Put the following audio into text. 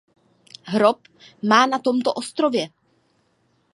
Hrob má na tomto ostrově.